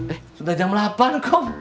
eh sudah jam delapan kok